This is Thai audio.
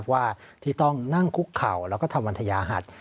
ว่าที่ต้องนั่งคุกเข่าแล้วก็ทำวันทยาหัส